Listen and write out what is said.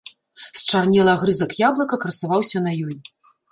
Счарнелы агрызак яблыка красаваўся на ёй.